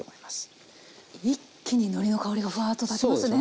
一気にのりの香りがふわっとたちますね。